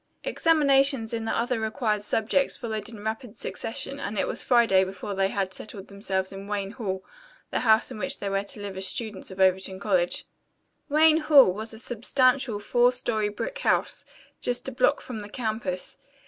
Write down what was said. Examinations in the other required subjects followed in rapid succession and it was Friday before they had settled themselves in Wayne Hall, the house in which they were to live as students of Overton College. Wayne Hall was a substantial four story brick house, just a block from the campus.